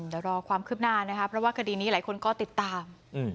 เดี๋ยวรอความคืบหน้านะคะเพราะว่าคดีนี้หลายคนก็ติดตาม